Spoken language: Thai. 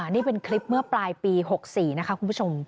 นี่เป็นคลิปเมื่อปลายปี๖๔นะคะคุณผู้ชม